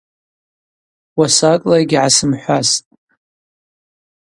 Уасакӏла йыгьгӏасымхӏвастӏ.